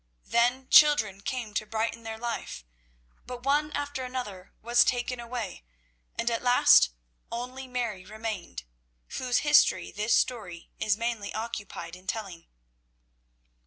Then children came to brighten their life, but one after another was taken away, and at last only Mary remained, whose history this story is mainly occupied in telling.